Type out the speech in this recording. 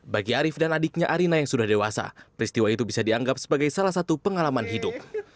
bagi arief dan adiknya arina yang sudah dewasa peristiwa itu bisa dianggap sebagai salah satu pengalaman hidup